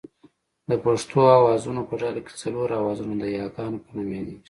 د پښتو آوازونو په ډله کې څلور آوازونه د یاګانو په نوم یادېږي